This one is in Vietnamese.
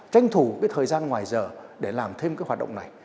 tranh thủ cái thời gian ngoài giờ để làm thêm cái hoạt động này